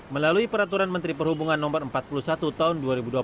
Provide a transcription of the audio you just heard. melalui peraturan menteri perhubungan no empat puluh satu tahun dua ribu dua puluh